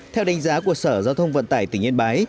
theo đánh giá của sở giao thông vận tải tỉnh yên bái